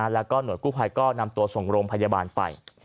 แล้วก็หน่วยกู้ภัยก็นำตัวส่งโรงพยาบาลไป